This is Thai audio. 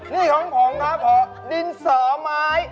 นี่ของค่ะเกาะดินเสาไม้